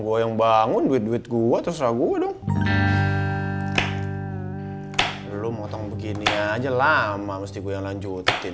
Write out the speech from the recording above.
gua yang bangun duit gua terus ragu dong belum mau tong begini aja lama musti wilayah lanjutin